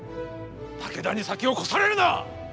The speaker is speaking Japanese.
武田に先を越されるな！